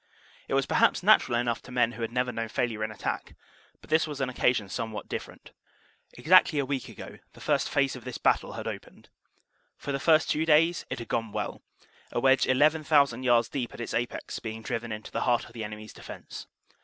It was perhaps natural enough to men who had never known failure in attack, but this was an occasion somewhat different. Exactly a week ago the first phase of this battle had opened. For the first two days it had gone well, a wedge 11,000 yards deep at its apex being driven into the heart of the enemy s defense.